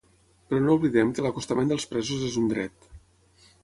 Però no oblidem que l’acostament dels presos és un dret.